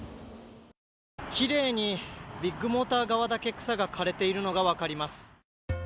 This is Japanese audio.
きれいにビッグモーター側だけ草が枯れているのが分かります。